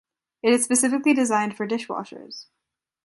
It is specially designed for dishwashers.